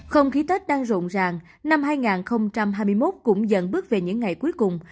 không khí tết đang rộn ràng năm hai nghìn hai mươi một cũng dần bước về những ngày cuối cùng